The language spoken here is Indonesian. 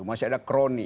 masih ada kroni